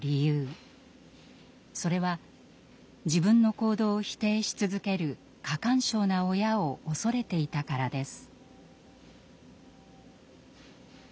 それは自分の行動を否定し続ける過干渉な親を恐れていたからです。